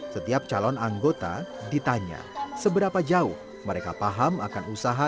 setiap calon anggota ditanya seberapa jauh mereka paham akan usaha